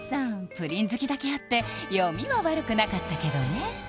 プリン好きだけあって読みは悪くなかったけどね